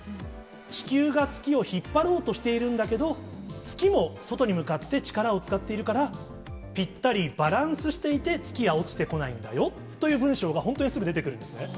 地球が月を引っ張ろうとしてるんだけど、月も外に向かって力を使っているから、ぴったりバランスしていて、月は落ちてこないんだよという文章が、本当にすぐ出てくるんですね。